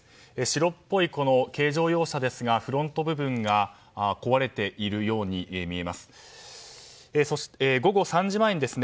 白っぽい軽乗用車ですがフロント部分が壊れているように見えます。